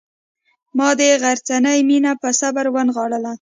ما د غرڅنۍ مینه په صبر ونغاړله.